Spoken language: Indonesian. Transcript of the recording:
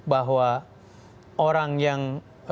bahwa orang yang